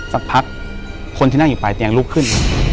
สักพักคนที่นั่งอยู่ปลายเตียงลุกขึ้น